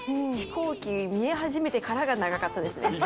飛行機見え始めてからが長かったですね。